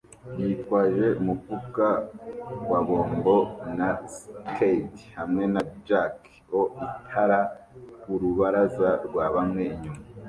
yitwaje umufuka wa bombo na scythe hamwe na jack-o-itara ku rubaraza rwa bamwe inyuma